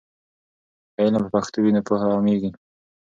که علم په پښتو وي نو پوهه عامېږي.